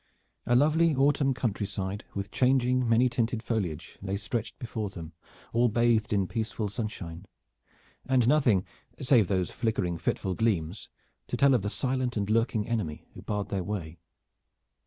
A lovely autumn countryside with changing many tinted foliage lay stretched before them, all bathed in peaceful sunshine, and nothing save those flickering fitful gleams to tell of the silent and lurking enemy who barred their way.